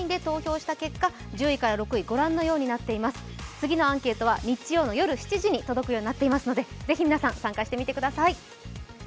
次のアンケートは日曜の夜７時に届くようになっていますのでぜひ皆さん、参加してみてください